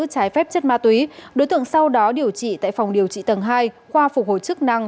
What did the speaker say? trái phép chất ma túy đối tượng sau đó điều trị tại phòng điều trị tầng hai khoa phục hồi chức năng